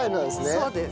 そうです。